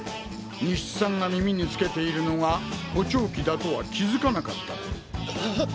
西津さんが耳につけているのが補聴器だとは気づかなかったと。